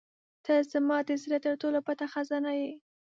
• ته زما د زړه تر ټولو پټه خزانه یې.